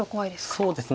そうですね